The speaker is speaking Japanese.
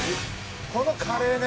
「このカレーね。